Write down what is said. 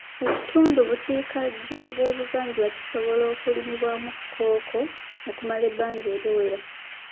Ekitundu bukiikaddo bw'obuvanjuba kisobola okulimibwamu Kkooko okumala ebbanga eriwera.